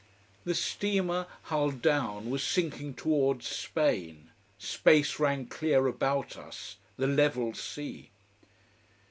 The steamer, hull down, was sinking towards Spain. Space rang clear about us: the level sea!